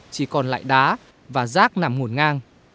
chỉ còn lại đá và rác nằm ngổn ngang